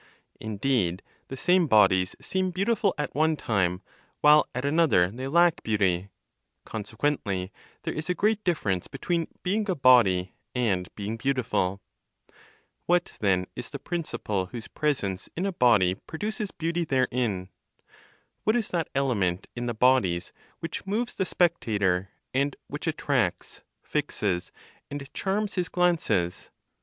Indeed, the same bodies seem beautiful at one time, while at another they lack beauty; consequently, there is a great difference between being a body and being beautiful. What then is the principle whose presence in a body produces beauty therein? What is that element in the bodies which moves the spectator, and which attracts, fixes and charms his glances?